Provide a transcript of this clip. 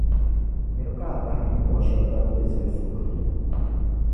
Miri ka a pahi ninvuɣu shεba ban be zilsigu ni.